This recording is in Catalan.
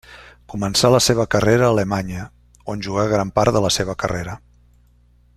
Començà la seva carrera a Alemanya, on jugà gran part de la seva carrera.